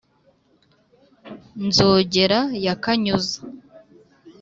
Nzogera ya Kanyuza